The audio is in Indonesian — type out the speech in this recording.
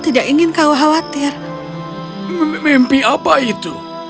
tidak ingin kau khawatir mimpi apa itu